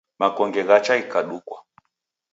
Makonge ghacha ghikadukwa